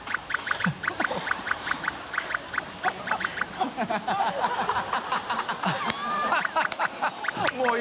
ハハハ